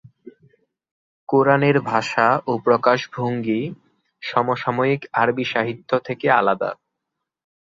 কুরআনের ভাষা ও প্রকাশভঙ্গি সমসাময়িক আরবি সাহিত্য থেকে আলাদা।